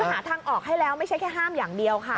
หาทางออกให้แล้วไม่ใช่แค่ห้ามอย่างเดียวค่ะ